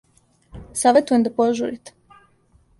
Саветујем да пожурите.